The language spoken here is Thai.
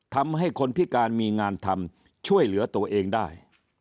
ทำให้คนพิการมีงานทำช่วยเหลือตัวเองได้